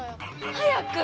早く！